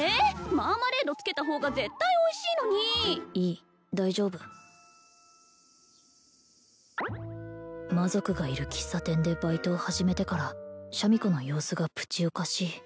マーマレードつけた方が絶対おいしいのにいい大丈夫魔族がいる喫茶店でバイトを始めてからシャミ子の様子がプチおかしい